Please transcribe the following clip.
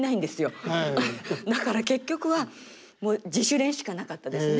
だから結局はもう自主練しかなかったですね。